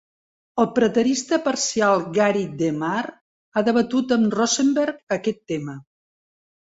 El preterista parcial Gary DeMar ha debatut amb Rosenberg aquest tema.